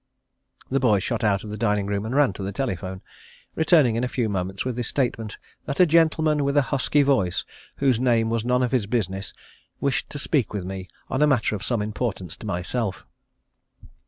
The boy shot out of the dining room and ran to the telephone, returning in a few moments with the statement that a gentleman with a husky voice whose name was none of his business wished to speak with me on a matter of some importance to myself.